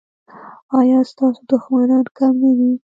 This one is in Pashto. ایا ستاسو دښمنان کم نه دي؟